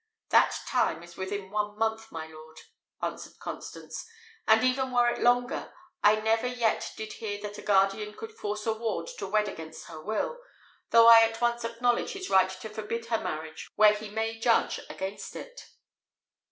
"That time is within one month, my lord," answered Constance; "and even were it longer, I never yet did hear that a guardian could force a ward to wed against her will, though I at once acknowledge his right to forbid her marriage where he may judge against it."